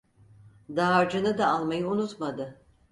Dağarcığını da almayı unutmadı.